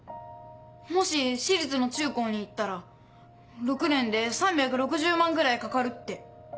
もし私立の中高に行ったら６年で３６０万ぐらいかかるって。